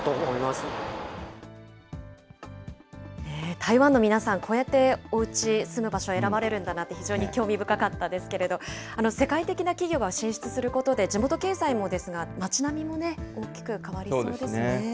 台湾の皆さん、こうやっておうち、住む場所選ばれるんだなって、非常に興味深かったんですけど、世界的な企業が進出することで、地元経済もですが、町並みも大きく変わりそうですね。